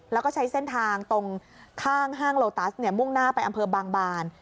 แล้วก็ใช้เส้นทางตรงข้างห้างโลตัสมุ่งหน้าไปอำเภอบางบาน